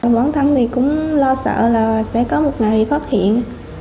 quán thắng thì cũng lo sợ là sẽ có một ngày bị phát hiện